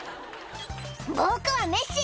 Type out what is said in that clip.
「僕はメッシ！